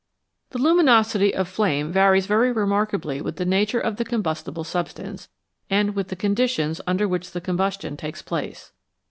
The luminosity of flame varies very remarkably with the nature of the combustible substance and with the conditions under which the combustion takes place.